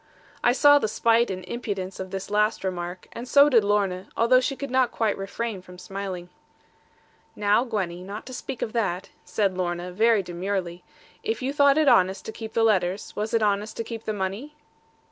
I saw the spite and impudence of this last remark, and so did Lorna, although she could not quite refrain from smiling. 'Now, Gwenny, not to speak of that,' said Lorna, very demurely, 'if you thought it honest to keep the letters, was it honest to keep the money?'